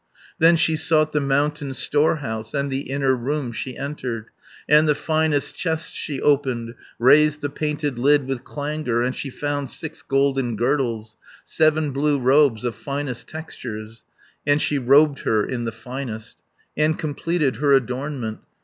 Then she sought the mountain storehouse, And the inner room she entered; And the finest chest she opened, Raised the painted lid with clangour, And she found six golden girdles, Seven blue robes of finest textures, 260 And she robed her in the finest, And completed her adornment.